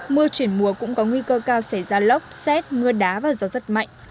mưa chuyển mùa cũng có nguy cơ cao xảy ra lốc xét mưa đá và gió rất mạnh